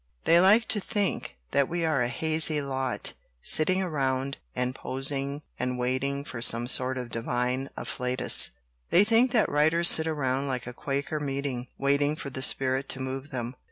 They like to think that we are a hazy lot, sitting around and posing and waiting for some sort of divine afflatus. They think that writers sit around like a Quaker meet ing, waiting for the spirit to move them."